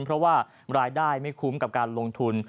เพราะว่ารายได้ไม่คุ้มกับการลงทุน